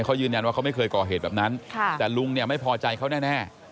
เขายืนยันว่าเขาไม่เคยก่อเหตุแบบนั้นแต่ลุงเนี่ยไม่พอใจเขาแน่